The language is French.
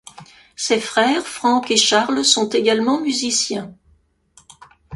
Ses frères Frank et Charles sont également musiciens.